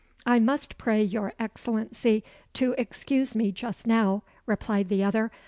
"I must pray your Excellency to excuse me just now," replied the other.